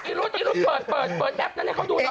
อีรุ๊ดเปิดแอปนั้นให้เขาดู